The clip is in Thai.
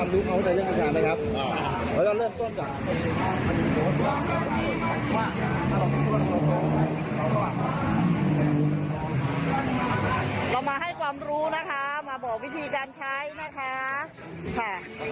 เรามาให้ความรู้นะคะมาบอกวิธีการใช้นะคะค่ะ